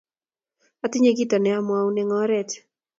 atinye kito ne amwoun wng' oret